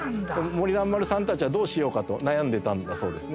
森蘭丸さんたちはどうしようかと悩んでいたんだそうですね。